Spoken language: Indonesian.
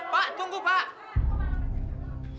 pak tunggu pak